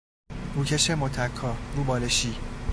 روکش متکا، روبالشی